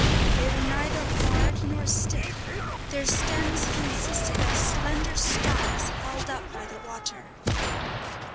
They were neither hard nor stiff; their stems consisted of slender stalks held up by the water.